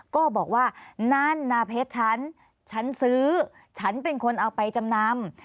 ก็บอกว่านั่นนาเพชรฉันฉันซื้อฉันเป็นคนเอาไปจำนำ